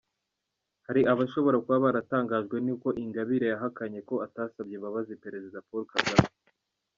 Hari abashobora kuba baratangajwe ni uko Ingabire yahakanye ko atasabye imbabazi Perezida Paul Kagame.